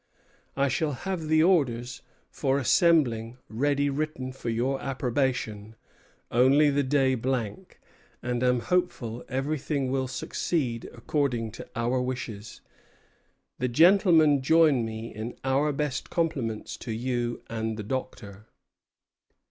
I shall have the orders for assembling ready written for your approbation, only the day blank, and am hopeful everything will succeed according to our wishes. The gentlemen join me in our best compliments to you and the Doctor."